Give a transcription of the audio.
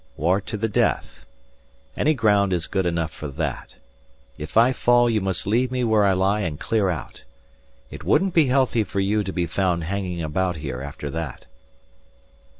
War to the death. Any ground is good enough for that. If I fall you must leave me where I lie and clear out. It wouldn't be healthy for you to be found hanging about here after that."